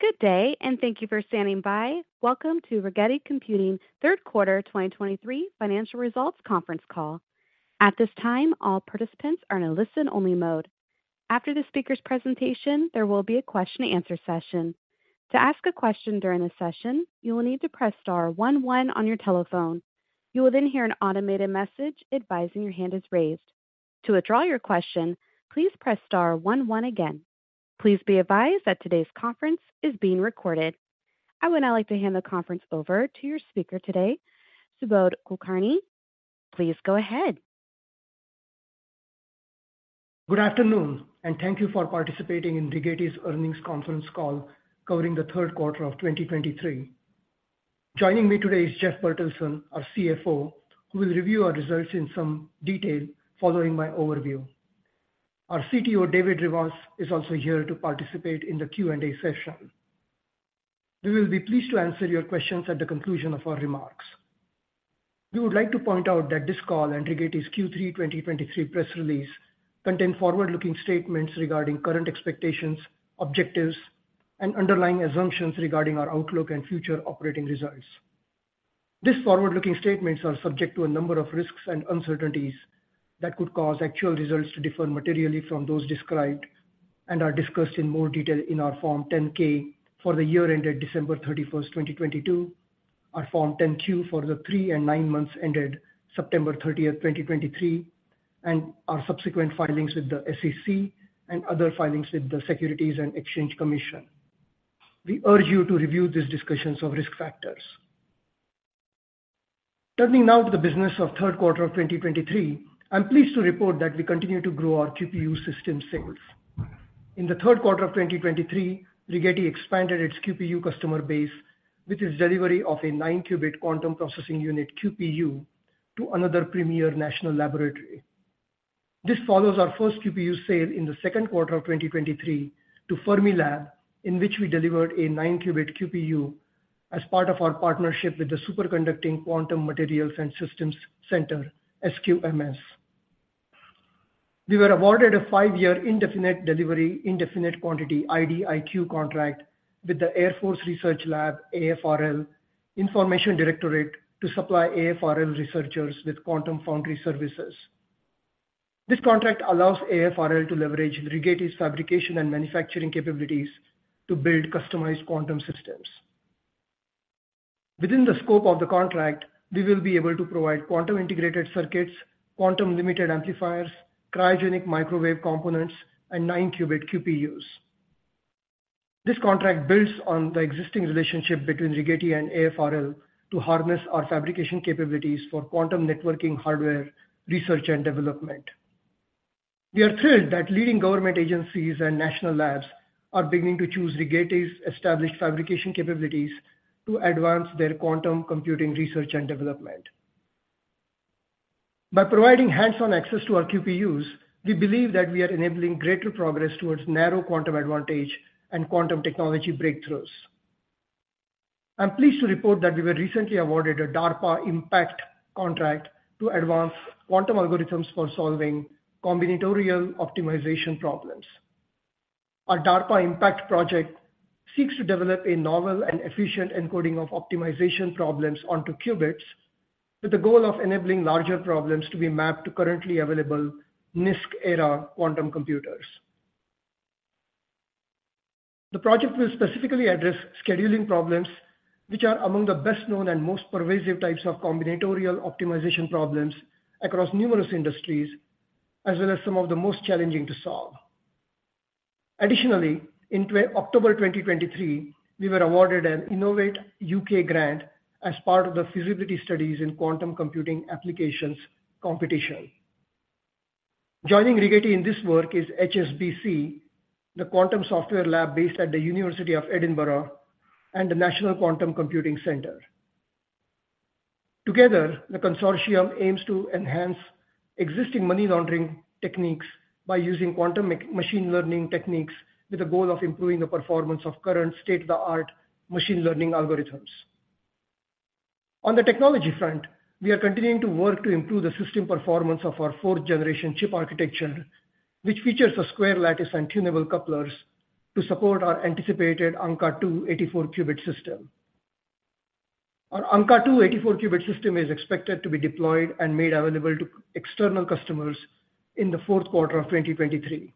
Good day, and thank you for standing by. Welcome to Rigetti Computing third quarter 2023 financial results conference call. At this time, all participants are in a listen-only mode. After the speaker's presentation, there will be a question-and-answer session. To ask a question during the session, you will need to press star one one on your telephone. You will then hear an automated message advising your hand is raised. To withdraw your question, please press star one one again. Please be advised that today's conference is being recorded. I would now like to hand the conference over to your speaker today, Subodh Kulkarni. Please go ahead. Good afternoon, and thank you for participating in Rigetti's earnings conference call covering the third quarter of 2023. Joining me today is Jeff Bertelsen, our CFO, who will review our results in some detail following my overview. Our CTO, David Rivas, is also here to participate in the Q&A session. We will be pleased to answer your questions at the conclusion of our remarks. We would like to point out that this call and Rigetti's Q3 2023 press release contain forward-looking statements regarding current expectations, objectives, and underlying assumptions regarding our outlook and future operating results. These forward-looking statements are subject to a number of risks and uncertainties that could cause actual results to differ materially from those described and are discussed in more detail in our Form 10-K for the year ended December 31, 2022, our Form 10-Q for the 3 and 9 months ended September 30, 2023, and our subsequent filings with the SEC and other filings with the Securities and Exchange Commission. We urge you to review these discussions of risk factors. Turning now to the business of third quarter of 2023, I'm pleased to report that we continue to grow our QPU system sales. In the third quarter of 2023, Rigetti expanded its QPU customer base with its delivery of a 9-qubit quantum processing unit, QPU, to another premier national laboratory. This follows our first QPU sale in the second quarter of 2023 to Fermilab, in which we delivered a 9-qubit QPU as part of our partnership with the Superconducting Quantum Materials and Systems Center, SQMS. We were awarded a 5-year indefinite-delivery, indefinite-quantity, IDIQ contract with the Air Force Research Lab, AFRL, Information Directorate to supply AFRL researchers with quantum foundry services. This contract allows AFRL to leverage Rigetti's fabrication and manufacturing capabilities to build customized quantum systems. Within the scope of the contract, we will be able to provide quantum integrated circuits, quantum limited amplifiers, cryogenic microwave components, and 9-qubit QPUs. This contract builds on the existing relationship between Rigetti and AFRL to harness our fabrication capabilities for quantum networking, hardware, research, and development. We are thrilled that leading government agencies and national labs are beginning to choose Rigetti's established fabrication capabilities to advance their quantum computing research and development. By providing hands-on access to our QPUs, we believe that we are enabling greater progress towards narrow quantum advantage and quantum technology breakthroughs. I'm pleased to report that we were recently awarded a DARPA IMPACT contract to advance quantum algorithms for solving combinatorial optimization problems. Our DARPA IMPACT project seeks to develop a novel and efficient encoding of optimization problems onto qubits, with the goal of enabling larger problems to be mapped to currently available NISQ-era quantum computers. The project will specifically address scheduling problems, which are among the best-known and most pervasive types of combinatorial optimization problems across numerous industries, as well as some of the most challenging to solve. Additionally, in October 2023, we were awarded an Innovate UK grant as part of the feasibility studies in quantum computing applications competition. Joining Rigetti in this work is HSBC, the Quantum Software Lab based at the University of Edinburgh, and the National Quantum Computing Centre. Together, the consortium aims to enhance existing money laundering techniques by using quantum machine learning techniques, with the goal of improving the performance of current state-of-the-art machine learning algorithms. On the technology front, we are continuing to work to improve the system performance of our fourth-generation chip architecture, which features a square lattice and tunable couplers to support our anticipated Ankaa-2 84-qubit system. Our Ankaa-2 84-qubit system is expected to be deployed and made available to external customers in the fourth quarter of 2023.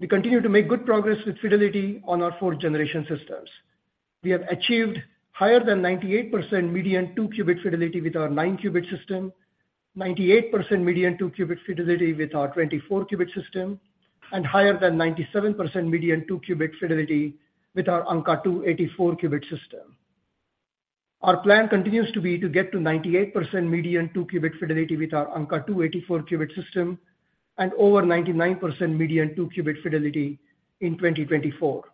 We continue to make good progress with fidelity on our fourth-generation systems. We have achieved higher than 98% median two-qubit fidelity with our 9-qubit system, 98% median two-qubit fidelity with our 24-qubit system, and higher than 97% median two-qubit fidelity with our Ankaa-2 84-qubit system. Our plan continues to be to get to 98% median two-qubit fidelity with our Ankaa-2 84-qubit system and over 99% median two-qubit fidelity in 2024.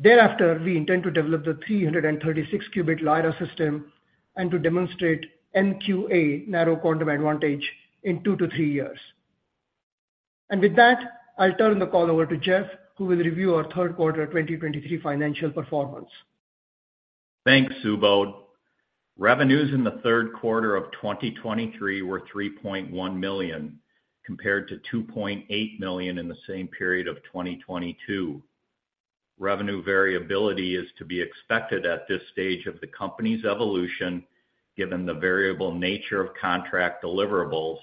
Thereafter, we intend to develop the 336-qubit Lyra system and to demonstrate NQA, Narrow Quantum Advantage, in 2 to 3 years. And with that, I'll turn the call over to Jeff, who will review our third quarter 2023 financial performance.... Thanks, Subodh. Revenues in the third quarter of 2023 were $3.1 million, compared to $2.8 million in the same period of 2022. Revenue variability is to be expected at this stage of the company's evolution, given the variable nature of contract deliverables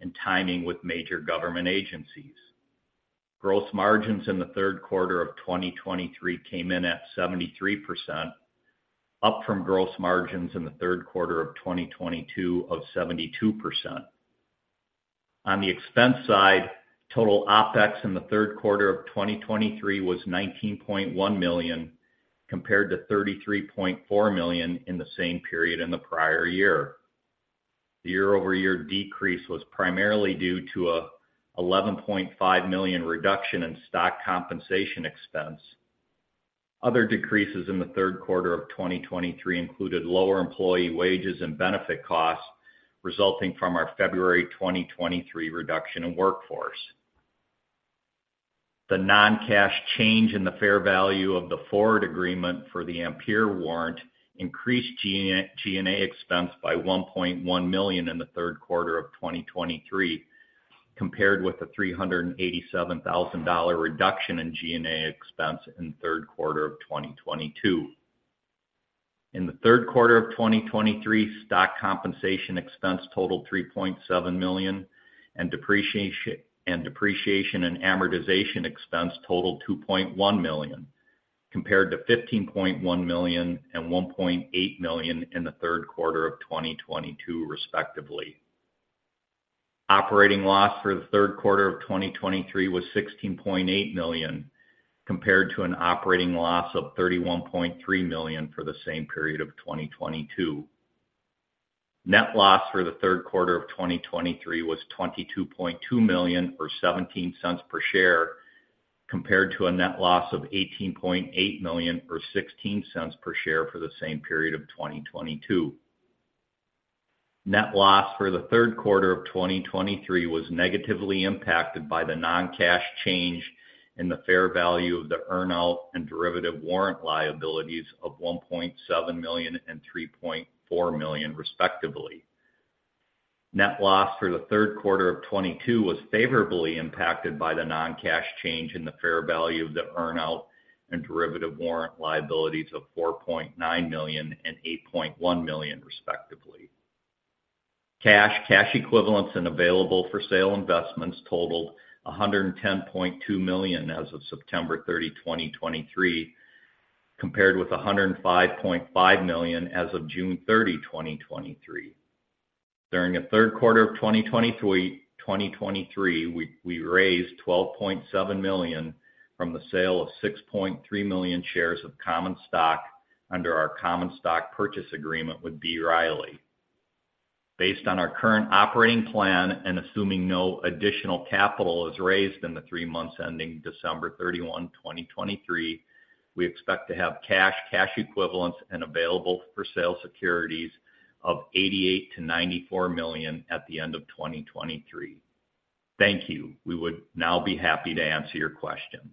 and timing with major government agencies. Gross margins in the third quarter of 2023 came in at 73%, up from gross margins in the third quarter of 2022 of 72%. On the expense side, total OpEx in the third quarter of 2023 was $19.1 million, compared to $33.4 million in the same period in the prior year. The year-over-year decrease was primarily due to a $11.5 million reduction in stock compensation expense. Other decreases in the third quarter of 2023 included lower employee wages and benefit costs, resulting from our February 2023 reduction in workforce. The non-cash change in the fair value of the forward agreement for the Ampere warrant increased G&A expense by $1.1 million in the third quarter of 2023, compared with the $387,000 reduction in G&A expense in the third quarter of 2022. In the third quarter of 2023, stock compensation expense totaled $3.7 million, and depreciation, and depreciation and amortization expense totaled $2.1 million, compared to $15.1 million and $1.8 million in the third quarter of 2022, respectively. Operating loss for the third quarter of 2023 was $16.8 million, compared to an operating loss of $31.3 million for the same period of 2022. Net loss for the third quarter of 2023 was $22.2 million, or $0.17 per share, compared to a net loss of $18.8 million or $0.16 per share for the same period of 2022. Net loss for the third quarter of 2023 was negatively impacted by the non-cash change in the fair value of the earn-out and derivative warrant liabilities of $1.7 million and $3.4 million, respectively. Net loss for the third quarter of 2022 was favorably impacted by the non-cash change in the fair value of the earn-out and derivative warrant liabilities of $4.9 million and $8.1 million, respectively. Cash, cash equivalents, and available for sale investments totaled $110.2 million as of September 30, 2023, compared with $105.5 million as of June 30, 2023. During the third quarter of 2023, we raised $12.7 million from the sale of 6.3 million shares of common stock under our common stock purchase agreement with B. Riley Securities. Based on our current operating plan and assuming no additional capital is raised in the three months ending December 31, 2023, we expect to have cash, cash equivalents, and available for sale securities of $88 million-$94 million at the end of 2023. Thank you. We would now be happy to answer your questions.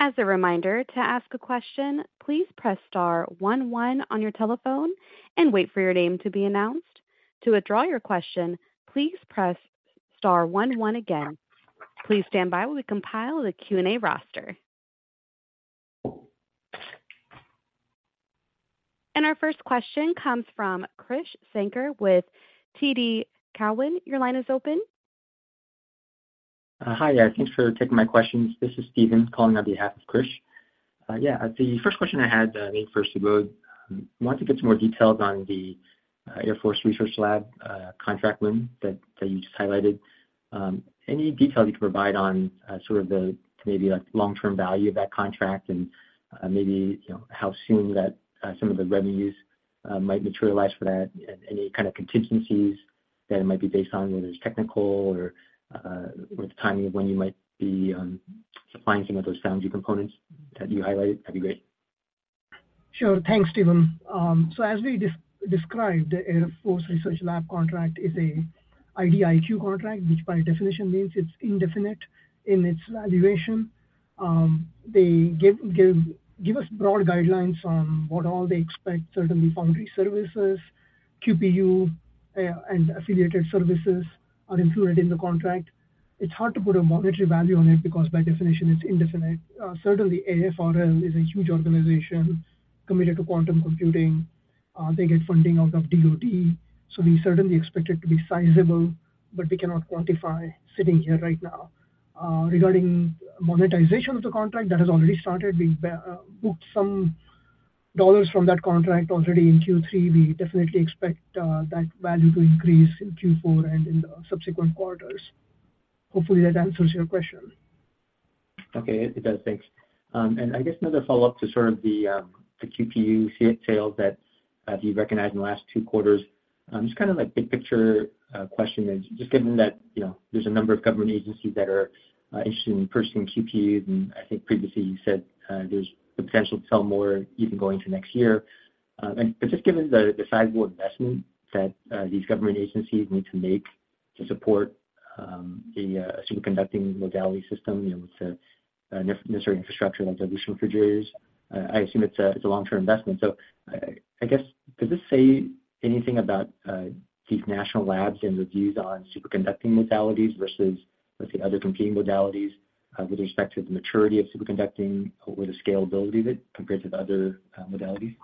As a reminder, to ask a question, please press star one one on your telephone and wait for your name to be announced. To withdraw your question, please press star one one again. Please stand by while we compile the Q&A roster. Our first question comes from Krish Sankar with TD Cowen. Your line is open. Hi, yeah. Thanks for taking my questions. This is Steven calling on behalf of Krish. Yeah, the first question I had, maybe for Subodh, wanted to get some more details on the Air Force Research Lab contract win that you just highlighted. Any detail you can provide on sort of the maybe like long-term value of that contract and, maybe, you know, how soon some of the revenues might materialize for that? Any kind of contingencies that it might be based on, whether it's technical or the timing of when you might be supplying some of those foundry components that you highlighted, that'd be great. Sure. Thanks, Steven. So as we described, the Air Force Research Lab contract is an IDIQ contract, which by definition means it's indefinite in its duration. They give us broad guidelines on what all they expect. Certainly, foundry services, QPU, and affiliated services are included in the contract. It's hard to put a monetary value on it because, by definition, it's indefinite. Certainly, AFRL is a huge organization committed to quantum computing. They get funding out of DoD, so we certainly expect it to be sizable, but we cannot quantify sitting here right now. Regarding monetization of the contract, that has already started. We booked some dollars from that contract already in Q3. We definitely expect that value to increase in Q4 and in the subsequent quarters. Hopefully, that answers your question. Okay, it does. Thanks. And I guess another follow-up to sort of the QPU sales that you recognized in the last two quarters. Just kind of like big picture question is, just given that, you know, there's a number of government agencies that are interested in purchasing QPUs, and I think previously you said, there's the potential to sell more even going to next year. And just given the sizable investment that these government agencies need to make to support the superconducting modality system, you know, with the necessary infrastructure, like dilution refrigerators. I assume it's a long-term investment. So I guess, does this say anything about these national labs and their views on superconducting modalities versus, let's say, other competing modalities with respect to the maturity of superconducting or the scalability of it compared to the other modalities?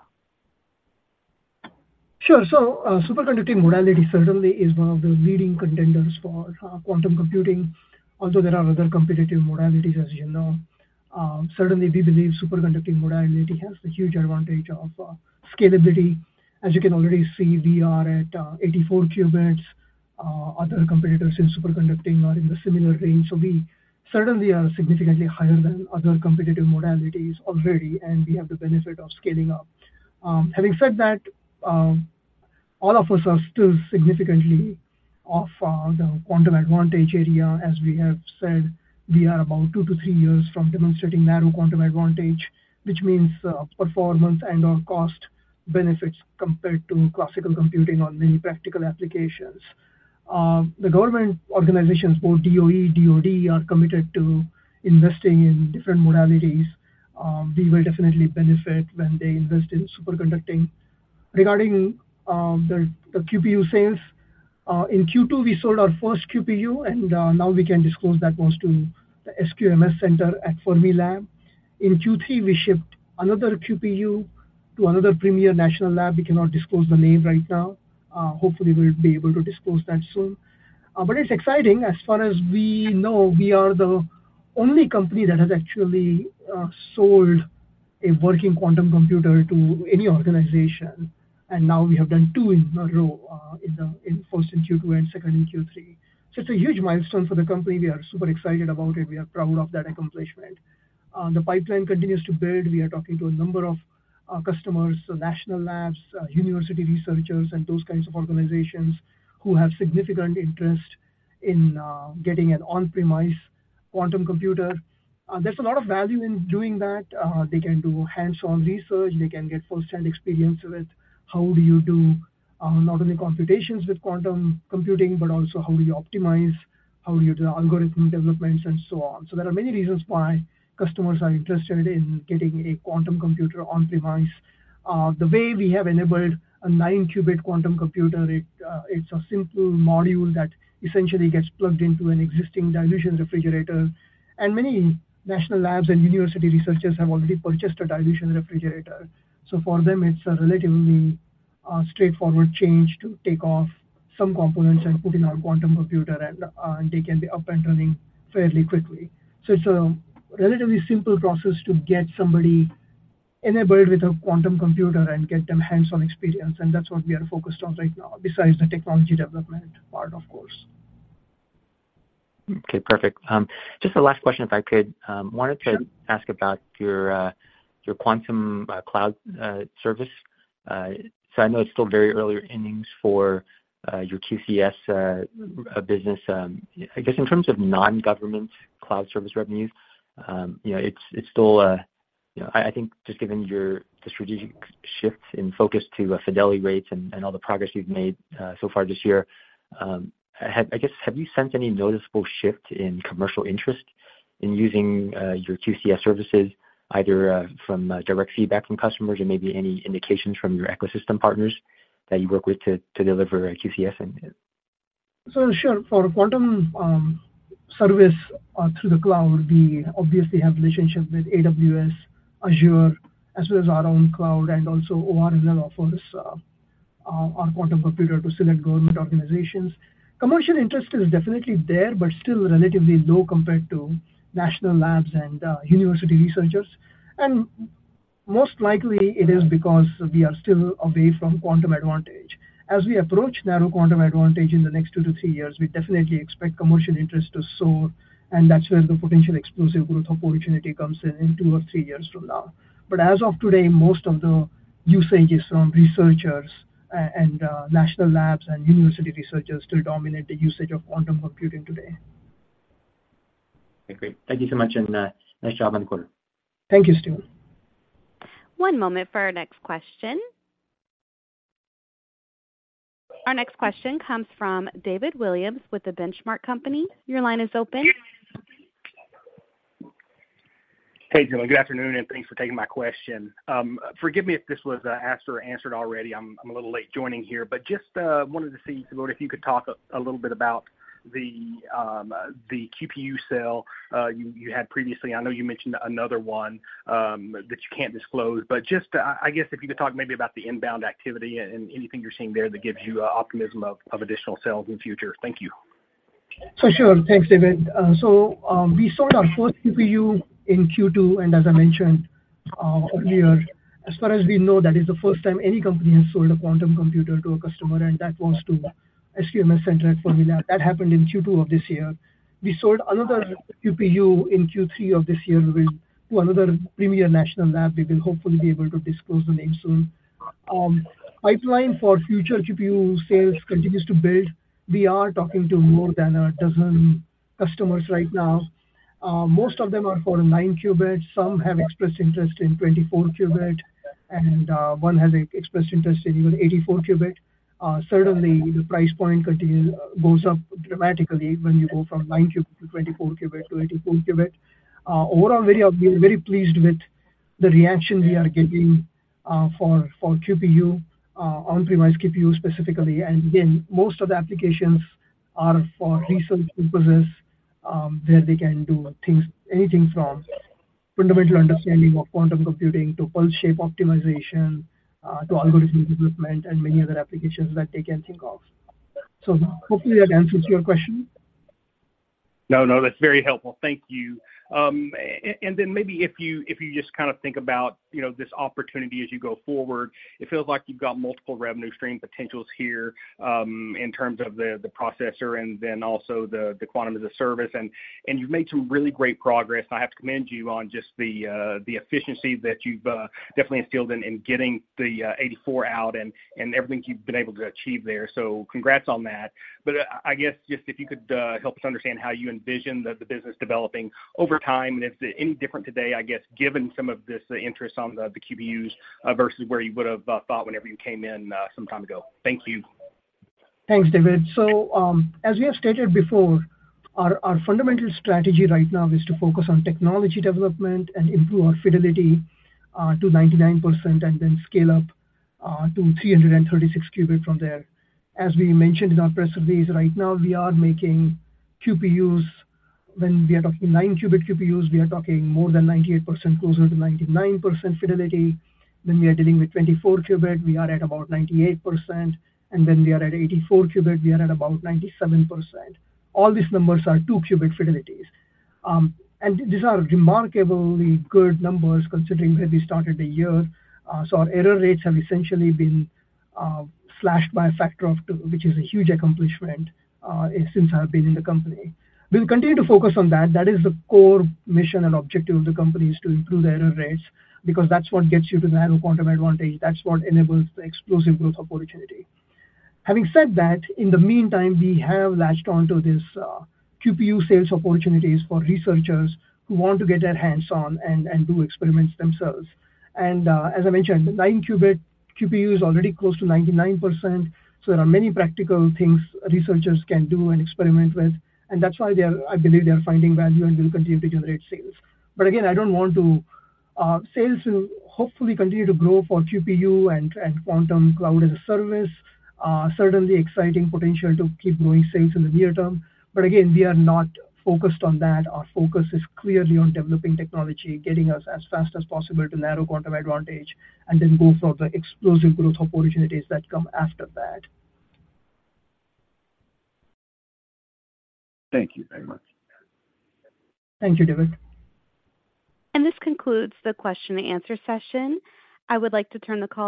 Sure. So, Superconducting modality certainly is one of the leading contenders for quantum computing, although there are other competitive modalities, as you know. Certainly, we believe Superconducting modality has the huge advantage of scalability. As you can already see, we are at 84 qubits. Other competitors in Superconducting are in the similar range, so we certainly are significantly higher than other competitive modalities already, and we have the benefit of scaling up. Having said that, all of us are still significantly off the quantum advantage area. As we have said, we are about 2-3 years from demonstrating Narrow Quantum Advantage, which means performance and/or cost benefits compared to classical computing on many practical applications. The government organizations, both DOE, DOD, are committed to investing in different modalities. We will definitely benefit when they invest in Superconducting. Regarding the QPU sales in Q2, we sold our first QPU, and now we can disclose that was to the SQMS Center at Fermilab. In Q3, we shipped another QPU to another premier national lab. We cannot disclose the name right now. Hopefully, we'll be able to disclose that soon. But it's exciting. As far as we know, we are the only company that has actually sold a working quantum computer to any organization, and now we have done two in a row, in first in Q2 and second in Q3. So it's a huge milestone for the company. We are super excited about it. We are proud of that accomplishment. The pipeline continues to build. We are talking to a number of our customers, so national labs, university researchers and those kinds of organizations who have significant interest in getting an on-premise quantum computer. There's a lot of value in doing that. They can do hands-on research, they can get firsthand experience with how do you do not only computations with quantum computing, but also how do you optimize, how do you do algorithm developments, and so on. So there are many reasons why customers are interested in getting a quantum computer on-premise. The way we have enabled a 9-qubit quantum computer, it's a simple module that essentially gets plugged into an existing dilution refrigerator, and many national labs and university researchers have already purchased a dilution refrigerator. So for them, it's a relatively straightforward change to take off some components and put in our quantum computer, and they can be up and running fairly quickly. So it's a relatively simple process to get somebody enabled with a quantum computer and get them hands-on experience, and that's what we are focused on right now, besides the technology development part, of course. Okay, perfect. Just the last question, if I could. Wanted to- Sure. Ask about your, your quantum, cloud, service. So I know it's still very early innings for, your QCS, business. I guess in terms of non-government cloud service revenues, you know, it's, it's still, you know... I, I think just given your, the strategic shift in focus to, fidelity rates and, and all the progress you've made, so far this year, have I guess, have you sensed any noticeable shift in commercial interest in using, your QCS services, either, from, direct feedback from customers or maybe any indications from your ecosystem partners that you work with to, to deliver a QCS in? So sure. For quantum service through the cloud, we obviously have relationships with AWS, Azure, as well as our own cloud, and also ORNL offers on quantum computer to select government organizations. Commercial interest is definitely there, but still relatively low compared to national labs and university researchers. Most likely it is because we are still away from quantum advantage. As we approach narrow quantum advantage in the next 2-3 years, we definitely expect commercial interest to soar, and that's where the potential explosive growth opportunity comes in in 2-3 years from now. But as of today, most of the usage is from researchers and national labs and university researchers still dominate the usage of quantum computing today. Okay, great. Thank you so much, and nice job on the quarter. Thank you, Steven. One moment for our next question. Our next question comes from David Williams with The Benchmark Company. Your line is open. Hey, Dylan. Good afternoon, and thanks for taking my question. Forgive me if this was asked or answered already. I'm a little late joining here. But just wanted to see if you could talk a little bit about the QPU sale you had previously. I know you mentioned another one that you can't disclose. But just I guess if you could talk maybe about the inbound activity and anything you're seeing there that gives you optimism of additional sales in the future. Thank you. Sure. Thanks, David. So, we sold our first QPU in Q2, and as I mentioned earlier, as far as we know, that is the first time any company has sold a quantum computer to a customer, and that was to SQMS Center at Fermilab. That happened in Q2 of this year. We sold another QPU in Q3 of this year to another premier national lab. We will hopefully be able to disclose the name soon. Pipeline for future QPU sales continues to build. We are talking to more than a dozen customers right now. Most of them are for 9 qubits. Some have expressed interest in 24-qubit and one has expressed interest in even 84-qubit. Certainly the price point goes up dramatically when you go from 9-qubit to 24-qubit to 84-qubit. Overall, I've been very pleased with the reaction we are getting for QPU, on-premises QPU specifically. And again, most of the applications are for research purposes, where they can do things, anything from fundamental understanding of quantum computing to pulse shape optimization, to algorithm development and many other applications that they can think of. So hopefully that answers your question. No, no, that's very helpful. Thank you. And then maybe if you just kind of think about, you know, this opportunity as you go forward, it feels like you've got multiple revenue stream potentials here, in terms of the processor and then also the quantum as a service. And you've made some really great progress. I have to commend you on just the efficiency that you've definitely instilled in getting the 84 out and everything you've been able to achieve there. So congrats on that. But I guess, just if you could help us understand how you envision the business developing over time, and if any different today, I guess, given some of this interest on the QPUs, versus where you would have thought whenever you came in some time ago. Thank you. Thanks, David. So, as we have stated before, our fundamental strategy right now is to focus on technology development and improve our fidelity to 99% and then scale up to 336-qubit from there. As we mentioned in our press release, right now, we are making QPUs. When we are talking 9-qubit QPUs, we are talking more than 98%, closer to 99% fidelity. When we are dealing with 24-qubit, we are at about 98%, and then we are at 84-qubit, we are at about 97%. All these numbers are two-qubit fidelities. And these are remarkably good numbers considering where we started the year. So our error rates have essentially been slashed by a factor of two, which is a huge accomplishment since I've been in the company. We'll continue to focus on that. That is the core mission and objective of the company, is to improve the error rates, because that's what gets you to Narrow Quantum Advantage. That's what enables the explosive growth opportunity. Having said that, in the meantime, we have latched on to this, QPU sales opportunities for researchers who want to get their hands on and do experiments themselves. And, as I mentioned, the 9-qubit QPU is already close to 99%, so there are many practical things researchers can do and experiment with, and that's why they are, I believe they are finding value and will continue to generate sales. But again, I don't want to, sales will hopefully continue to grow for QPU and quantum cloud as a service. Certainly exciting potential to keep growing sales in the near term, but again, we are not focused on that. Our focus is clearly on developing technology, getting us as fast as possible to Narrow Quantum Advantage, and then go for the explosive growth opportunities that come after that. Thank you very much. Thank you, David. This concludes the question and answer session. I would like to turn the call back